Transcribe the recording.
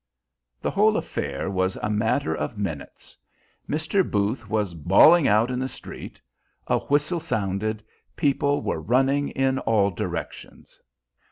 The whole affair was a matter of minutes. Mr. Booth was bawling out in the street. A whistle sounded. People were running in all directions.